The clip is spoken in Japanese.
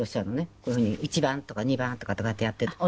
こういう風に「１番」とか「２番」とかってこうやってやってるキ